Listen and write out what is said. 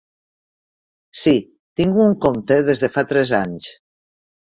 Sí, tinc un compte des de fa tres anys.